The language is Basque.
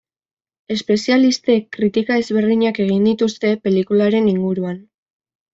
Espezialistek kritika ezberdinak egin dituzte pelikularen inguruan.